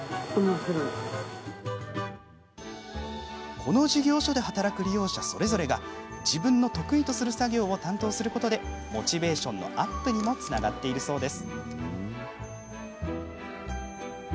この事業所で働く利用者それぞれが自分の得意とする作業を担当することでモチベーションのアップにもつながっているそうです。